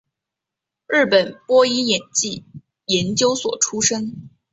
日本播音演技研究所出身。